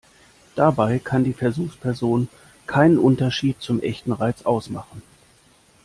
Dabei kann die Versuchsperson keinen Unterschied zum echten Reiz ausmachen.